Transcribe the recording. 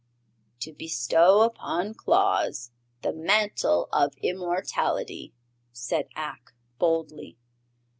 "To bestow upon Claus the Mantle of Immortality!" said Ak, boldly.